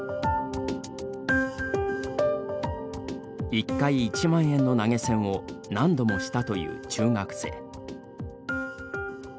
１回１万円の投げ銭を何度もしたという中学生。